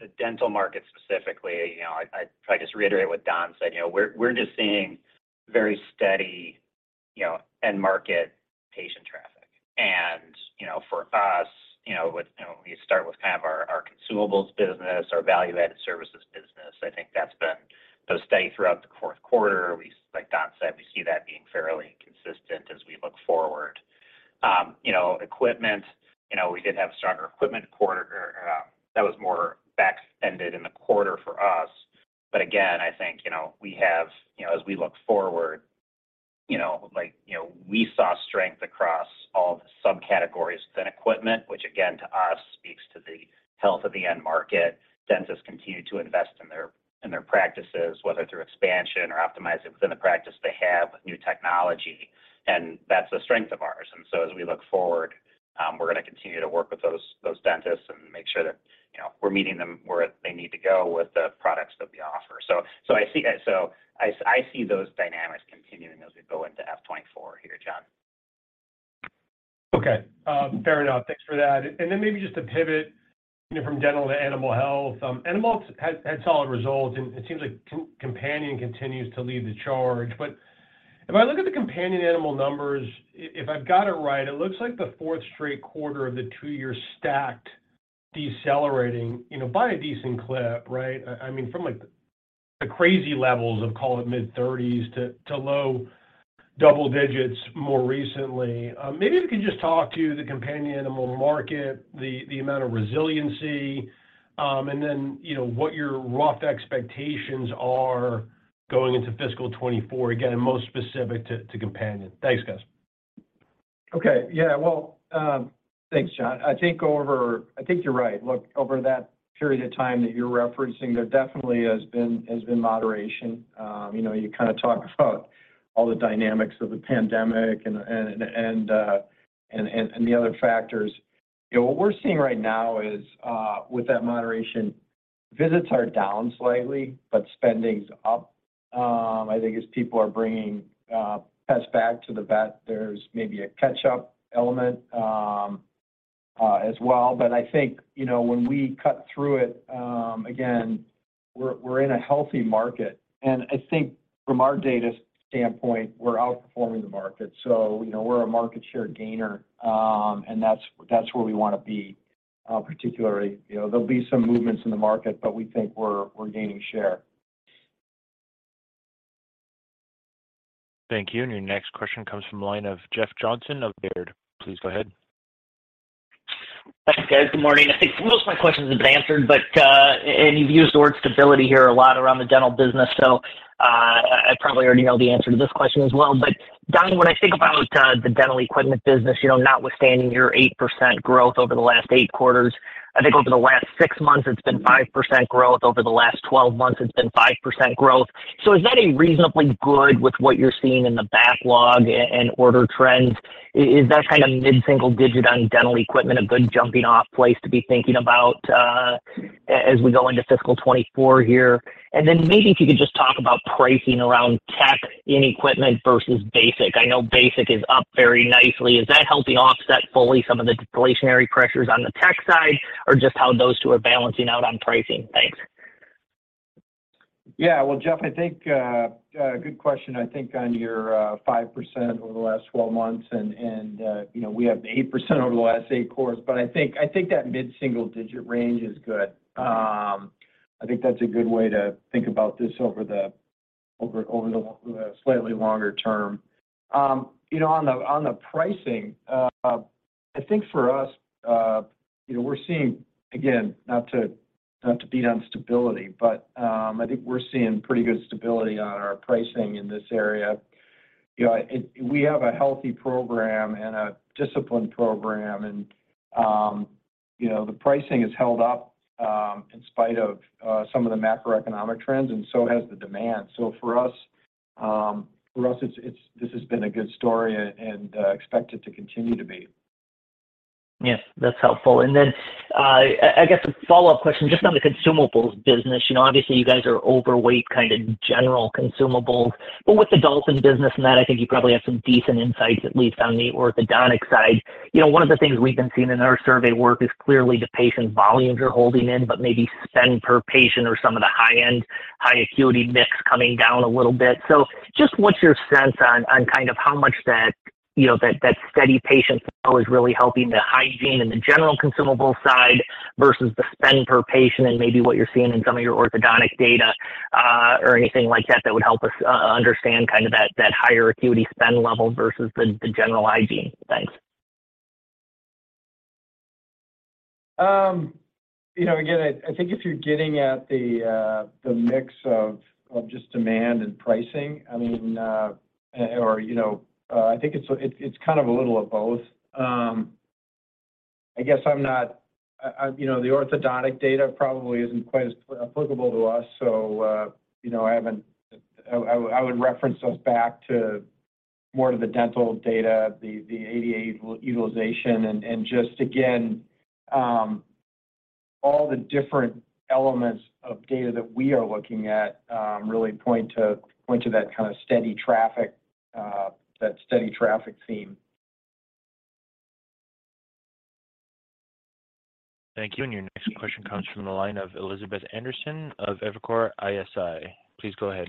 the dental market specifically, you know, if I just reiterate what Don said, you know, we're just seeing very steady, you know, end market patient traffic. You know, for us, you know, with, you know, you start with kind of our consumables business, our value-added services business. I think that's been those steady throughout the fourth quarter. Like Don said, we see that being fairly consistent as we look forward. You know, equipment, you know, we did have a stronger equipment quarter, that was more back-ended in the quarter for us. Again, I think, you know, as we look forward, you know, like, you know, we saw strength across all the subcategories within equipment, which again, to us, speaks to the health of the end market. Dentists continue to invest in their practices, whether through expansion or optimizing within the practice they have with new technology. That's a strength of ours. As we look forward, we're gonna continue to work with those dentists and make sure that, you know, we're meeting them where they need to go with the products that we offer. So I see those dynamics continuing as we go into fiscal 2024 here, Jon. Okay, fair enough. Thanks for that. Maybe just to pivot from dental to animal health. Animal had solid results, and it seems like companion continues to lead the charge. If I look at the companion animal numbers, if I've got it right, it looks like the fourth straight quarter of the two-year stacked decelerating, you know, by a decent clip, right? I mean, from, like, the crazy levels of call it mid-30s to low double-digits more recently. Maybe if you could just talk to the companion animal market, the amount of resiliency, and then, you know, what your rough expectations are going into fiscal 2024, again, and most specific to companion. Thanks, guys. Okay. Yeah, well, thanks, Jon. I think you're right. Look, over that period of time that you're referencing, there definitely has been moderation. You know, you kind of talk about all the dynamics of the pandemic and the other factors. You know, what we're seeing right now is with that moderation, visits are down slightly, but spending's up. I think as people are bringing pets back to the vet, there's maybe a catch-up element as well. I think, you know, when we cut through it, again, we're in a healthy market, and I think from our data standpoint, we're outperforming the market. You know, we're a market share gainer, and that's where we want to be particularly. You know, there'll be some movements in the market, but we think we're gaining share. Thank you. Your next question comes from the line of Jeff Johnson of Baird. Please go ahead. Thanks, guys. Good morning. I think most of my questions have been answered. You've used the word stability here a lot around the dental business. I probably already know the answer to this question as well. Don, when I think about the dental equipment business, you know, notwithstanding your 8% growth over the last eight quarters, I think over the last six months, it's been 5% growth. Over the last 12 months, it's been 5% growth. Is that a reasonably good with what you're seeing in the backlog and order trends? Is that kind of mid-single digit on dental equipment, a good jumping-off place to be thinking about as we go into fiscal 2024 here? Maybe if you could just talk about pricing around tech in equipment versus basic. I know basic is up very nicely. Is that helping offset fully some of the deflationary pressures on the tech side or just how those two are balancing out on pricing? Thanks. Well, Jeff, I think a good question, I think, on your 5% over the last 12 months and, you know, we have 8% over the last eight quarters, but I think that mid-single-digit range is good. I think that's a good way to think about this over the slightly longer term. You know, on the pricing, I think for us, you know, we're seeing, again, not to beat on stability, but I think we're seeing pretty good stability on our pricing in this area. You know, we have a healthy program and a disciplined program, and, you know, the pricing has held up in spite of some of the macroeconomic trends, and so has the demand. For us, it's this has been a good story and expect it to continue to be. Yes, that's helpful. I guess a follow-up question just on the consumables business. You know, obviously, you guys are overweight, kind of general consumables, but with the Dolphin business and that, I think you probably have some decent insights at least on the orthodontic side. You know, one of the things we've been seeing in our survey work is clearly the patient volumes are holding in, but maybe spend per patient or some of the high-end, high acuity mix coming down a little bit. Just what's your sense on kind of how much that, you know, that steady patient flow is really helping the hygiene and the general consumable side versus the spend per patient, and maybe what you're seeing in some of your orthodontic data, or anything like that would help us understand kind of that higher acuity spend level versus the general hygiene? Thanks. You know, again, I think if you're getting at the mix of just demand and pricing, I mean, or, you know, I think it's kind of a little of both. I guess I'm not. I, you know, the orthodontic data probably isn't quite as applicable to us, so, you know, I would reference us back to more to the dental data, the ADA utilization, and just again, all the different elements of data that we are looking at, really point to that kind of steady traffic, that steady traffic theme. Thank you. Your next question comes from the line of Elizabeth Anderson of Evercore ISI. Please go ahead.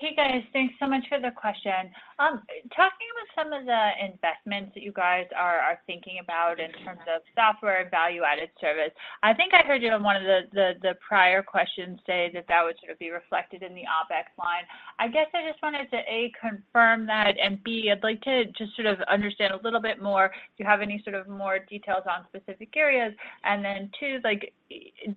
Hey, guys. Thanks so much for the question. Talking about some of the investments that you guys are thinking about in terms of software and value-added service, I think I heard you on one of the prior questions say that that would sort of be reflected in the OpEx line. I guess I just wanted to, A, confirm that, and B, I'd like to just sort of understand a little bit more if you have any sort of more details on specific areas. Two, like,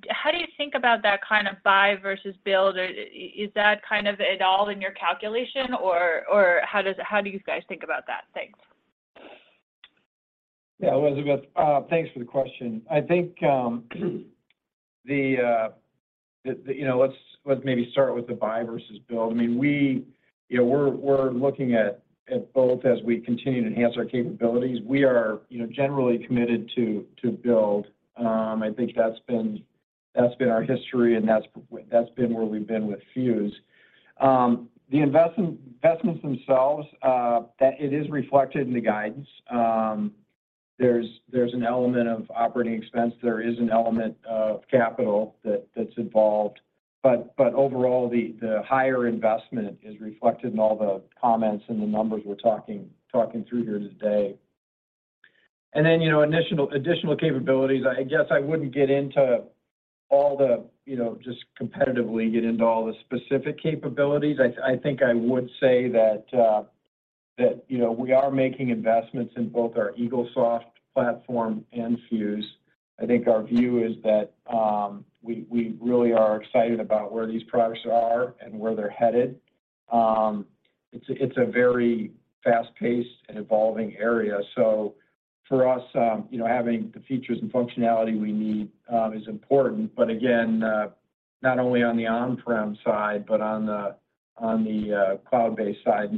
how do you think about that kind of buy versus build? Is that kind of it all in your calculation, or how do you guys think about that? Thanks. Yeah, Elizabeth, thanks for the question. I think, you know, let's maybe start with the buy versus build. I mean, we, you know, we're looking at both as we continue to enhance our capabilities. We are, you know, generally committed to build. I think that's been our history, and that's been where we've been with Fuse. The investments themselves, that it is reflected in the guidance. There's an element of operating expense, there is an element of capital that's involved, but overall, the higher investment is reflected in all the comments and the numbers we're talking through here today. Then, you know, additional capabilities, I guess I wouldn't get into all the, you know, just competitively get into all the specific capabilities. I think I would say that we are making investments in both our Eaglesoft platform and Fuse. I think our view is that we really are excited about where these products are and where they're headed. It's a very fast-paced and evolving area. For us, you know, having the features and functionality we need is important, but again, not only on the on-prem side, but on the cloud-based side.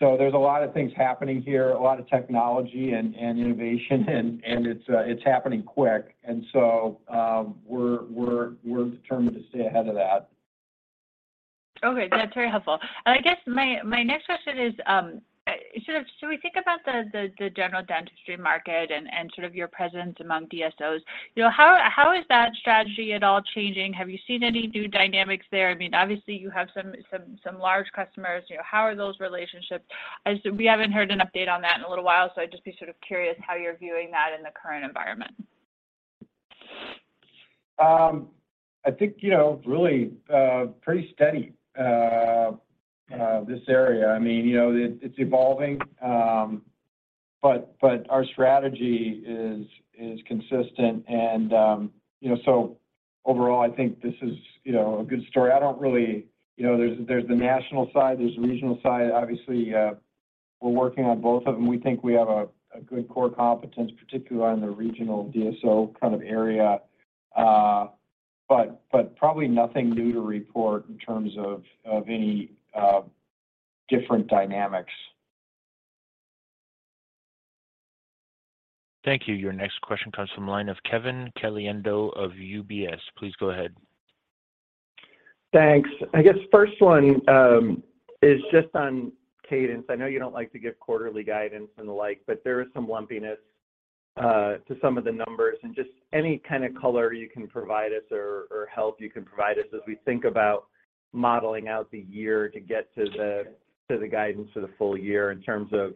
There's a lot of things happening here, a lot of technology and innovation, and it's happening quick. We're determined to stay ahead of that. Okay, that's very helpful. I guess my next question is, sort of we think about the general dentistry market and sort of your presence among DSOs. You know, how is that strategy at all changing? Have you seen any new dynamics there? I mean, obviously, you have some large customers, you know, how are those relationships? As we haven't heard an update on that in a little while, I'd just be sort of curious how you're viewing that in the current environment. I think, you know, really, pretty steady, this area. I mean, you know, it's evolving, but our strategy is consistent, and, you know, so overall, I think this is, you know, a good story. I don't really. You know, there's the national side, there's the regional side. Obviously, we're working on both of them. We think we have a good core competence, particularly on the regional DSO kind of area. But probably nothing new to report in terms of any different dynamics. Thank you. Your next question comes from the line of Kevin Caliendo of UBS. Please go ahead. Thanks. I guess first one, is just on cadence. I know you don't like to give quarterly guidance and the like, but there is some lumpiness to some of the numbers, and just any kind of color you can provide us or help you can provide us as we think about modeling out the year to get to the guidance for the full year in terms of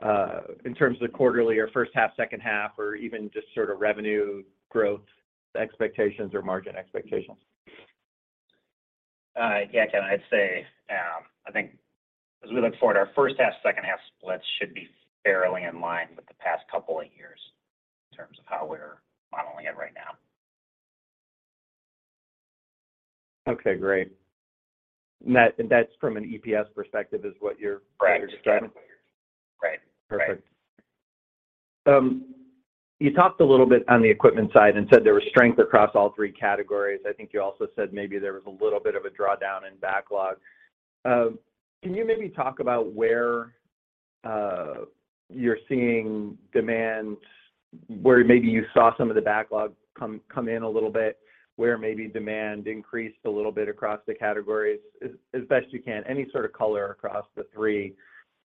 the quarterly or first half, second half, or even just sort of revenue growth expectations or margin expectations. Kevin, I'd say, I think as we look forward, our first half, second half splits should be fairly in line. Okay, great. That's from an EPS perspective, is what you're- Right. You're describing? Right. Right. Perfect. You talked a little bit on the equipment side and said there was strength across all three categories. I think you also said maybe there was a little bit of a drawdown in backlog. Can you maybe talk about where you're seeing demand, where maybe you saw some of the backlog come in a little bit, where maybe demand increased a little bit across the categories, as best you can? Any sort of color across the three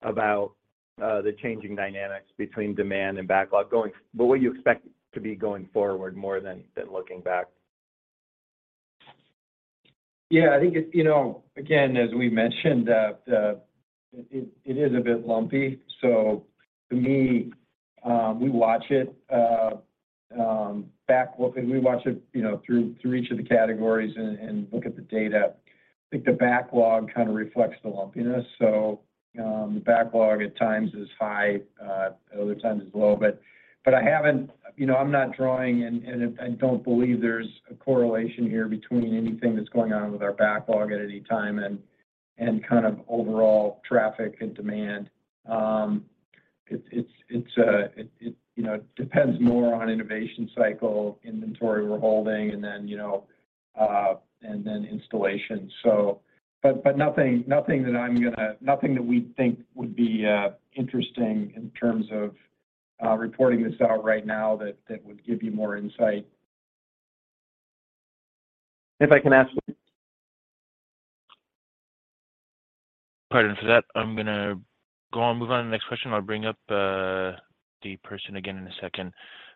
about the changing dynamics between demand and backlog, what you expect to be going forward more than looking back? Yeah, I think it, again, as we mentioned, that it is a bit lumpy. To me, we watch it, you know, through each of the categories and look at the data. I think the backlog kind of reflects the lumpiness. The backlog at times is high, other times is low. I haven't... You know, I'm not drawing, and I don't believe there's a correlation here between anything that's going on with our backlog at any time and kind of overall traffic and demand. It's a, it, you know, depends more on innovation cycle, inventory we're holding, and then installation. But nothing that we think would be interesting in terms of reporting this out right now, that would give you more insight. If I can ask. Pardon for that. I'm gonna go on, move on to the next question. I'll bring up the person again in a second.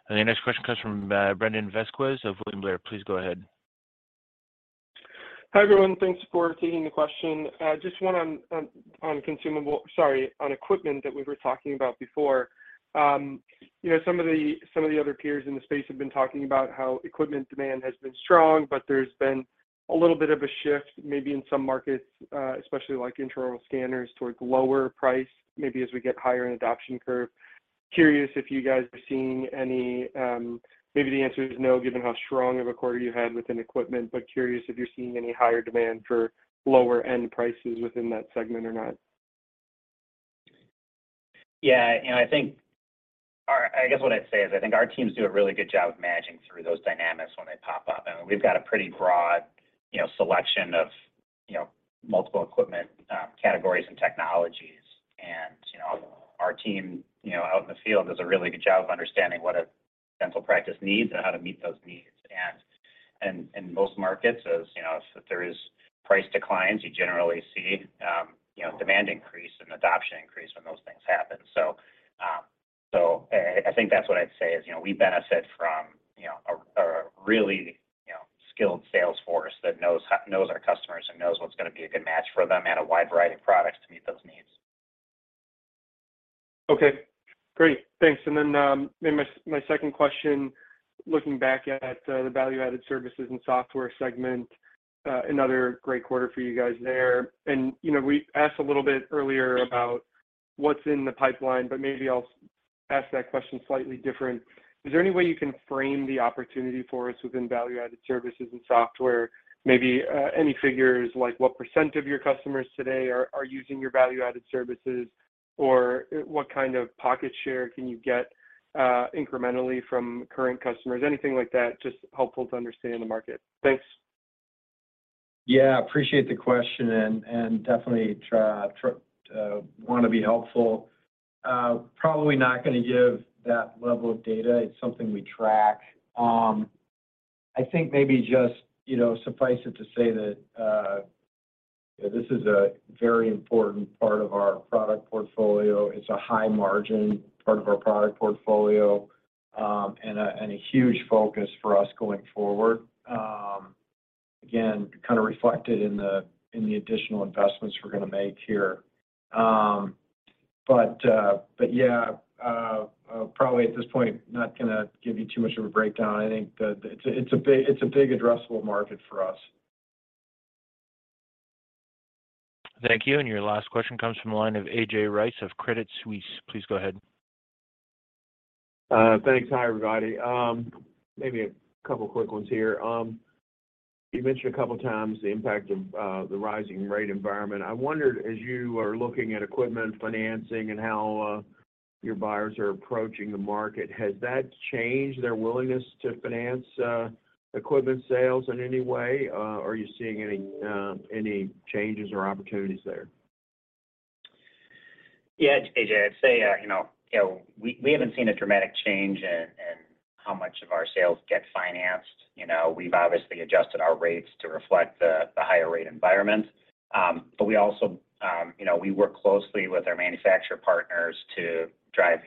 The next question comes from Brandon Vazquez of William Blair. Please go ahead. Hi, everyone. Thanks for taking the question. just one on consumable, sorry, on equipment that we were talking about before. you know, some of the other peers in the space have been talking about how equipment demand has been strong, but there's been a little bit of a shift, maybe in some markets, especially like intraoral scanners, towards lower price, maybe as we get higher in adoption curve. Curious if you guys are seeing any Maybe the answer is no, given how strong of a quarter you had within equipment, but curious if you're seeing any higher demand for lower-end prices within that segment or not? Yeah, I guess what I'd say is, I think our teams do a really good job of managing through those dynamics when they pop up. We've got a pretty broad, you know, selection of multiple equipment categories and technologies. You know, our team out in the field does a really good job of understanding what a dental practice needs and how to meet those needs. In most markets, as if there is price declines, you generally see demand increase and adoption increase when those things happen. I think that's what I'd say is, we benefit from, you know, a really skilled sales force that knows our customers and knows what's gonna be a good match for them, and a wide variety of products to meet those needs. Okay, great. Thanks. Then my second question, looking back at the value-added services and software segment, another great quarter for you guys there. You know, we asked a little bit earlier about what's in the pipeline, but maybe I'll ask that question slightly different. Is there any way you can frame the opportunity for us within value-added services and software? Maybe any figures, like what percent of your customers today are using your value-added services, or what kind of pocket share can you get incrementally from current customers? Anything like that, just helpful to understand the market. Thanks. Yeah, appreciate the question, and definitely try, want to be helpful. Probably not gonna give that level of data. It's something we track. I think maybe just, you know, suffice it to say that this is a very important part of our product portfolio. It's a high-margin part of our product portfolio, and a huge focus for us going forward. Again, kind of reflected in the additional investments we're gonna make here. But yeah, probably at this point, not gonna give you too much of a breakdown. I think that it's a big addressable market for us. Thank you. Your last question comes from the line of A.J. Rice of Credit Suisse. Please go ahead. Thanks. Hi, everybody. Maybe a couple quick ones here. You mentioned a couple of times the impact of the rising rate environment. I wondered, as you are looking at equipment financing and how your buyers are approaching the market, has that changed their willingness to finance equipment sales in any way? Are you seeing any changes or opportunities there? Yeah, A.J., I'd say, we haven't seen a dramatic change in how much of our sales get financed. You know, we've obviously adjusted our rates to reflect the higher rate environment. We also, you know, we work closely with our manufacturer partners to drive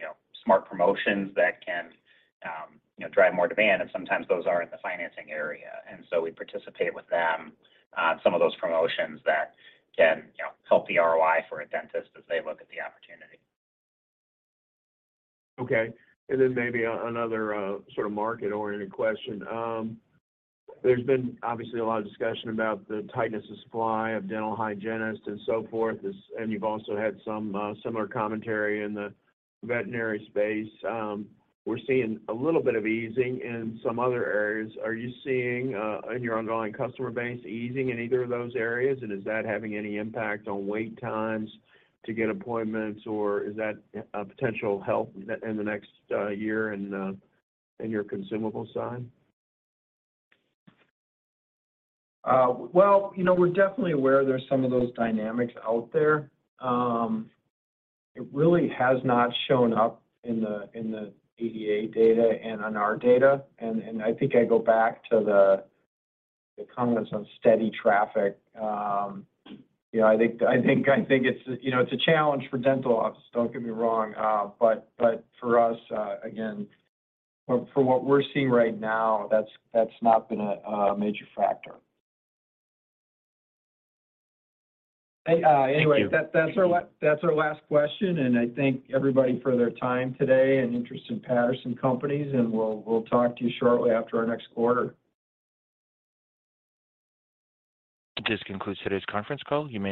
smart promotions that can drive more demand, and sometimes those are in the financing area. We participate with them on some of those promotions that can, you know, help the ROI for a dentist as they look at the opportunity. Okay. Maybe another market-oriented question? There's been obviously a lot of discussion about the tightness of supply of dental hygienists and so forth. You've also had some similar commentary in the veterinary space. We're seeing a little bit of easing in some other areas. Are you seeing in your underlying customer base, easing in either of those areas? Is that having any impact on wait times to get appointments, or is that a potential help in the next year in your consumables side? Well, we're definitely aware there are some of those dynamics out there. It really has not shown up in the ADA data and on our data. I think I go back to the comments on steady traffic. You know, I think it's a challenge for dental offices, don't get me wrong. For us, again, from what we're seeing right now, that's not been a major factor. Thank you. That's our last question. I thank everybody for their time today and interest in Patterson Companies. We'll talk to you shortly after our next quarter. This concludes today's conference call. You may disconnect.